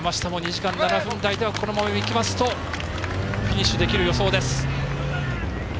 山下も２時間７分台でいきますとフィニッシュできる予想です。